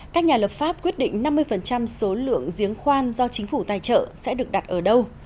các nhà lập pháp quyết định năm mươi số lượng giếng khoan do chính phủ tài trợ sẽ được đặt ở đâu